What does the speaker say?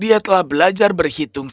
dia sudah belajar untuk menghitung